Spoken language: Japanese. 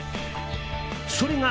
それが。